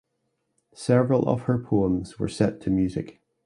Several of her poems were set to music.